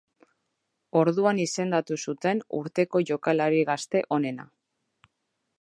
Orduan izendatu zuten Urteko Jokalari Gazte Onena.